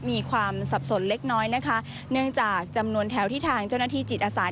มีความสับสนเล็กน้อยนะคะเนื่องจากจำนวนแถวที่ทางเจ้าหน้าที่จิตอาสา